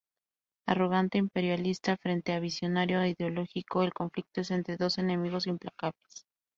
Arrogante imperialista frente a visionario ideológico, el conflicto es entre dos enemigos implacables.